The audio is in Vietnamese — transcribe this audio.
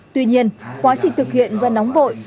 tuy nhiên quá trình thực hiện do nóng vội